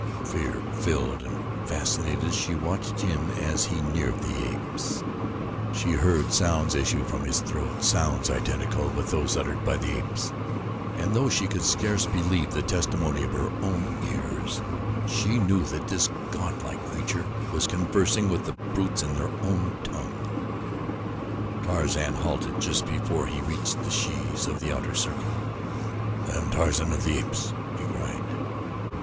Fear filled and fascinated she watched him as he neared the apes. She heard sounds issue from his throat sounds identical with those uttered by the apes and though she could scarce believe the testimony of her own ears, she knew that this godlike creature was conversing with the brutes in their own tongue. Tarzan halted just before he reached the shes of the outer circle. "I am Tarzan of the Apes!" he cried.